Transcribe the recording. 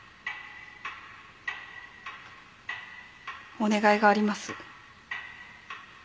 お願いがあります。